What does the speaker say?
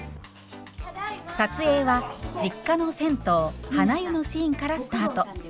撮影は実家の銭湯はな湯のシーンからスタート。